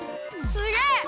すげえ！